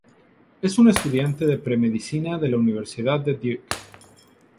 Es una estudiante de pre-medicina en la Universidad de Duke.